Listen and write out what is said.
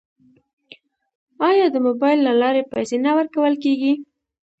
آیا د موبایل له لارې پیسې نه ورکول کیږي؟